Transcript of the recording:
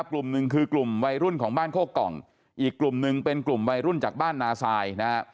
กลุ่มหนึ่งคือกลุ่มวัยรุ่นของบ้านโคกล่องอีกกลุ่มหนึ่งเป็นกลุ่มวัยรุ่นจากบ้านนาซายนะฮะ